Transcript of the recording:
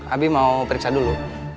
abi mau periksa dulu